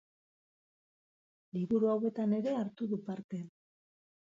Liburu hauetan ere hartu du parte.